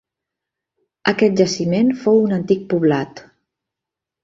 Aquest jaciment fou un antic poblat.